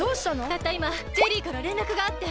たったいまジェリーかられんらくがあって。